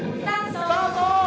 スタート。